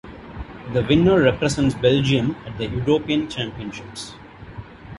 The winner represents Belgium at the European Championships.